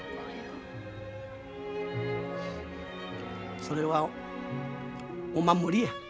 それはお守りや。